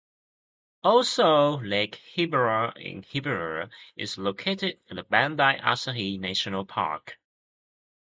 Also, Lake Hibara in Hibara is located in the Bandai-Asahi National Park.